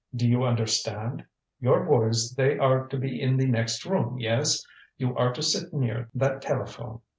Do you understand? Your boys they are to be in the next room yes? You are to sit near that telephone.